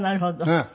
ええ。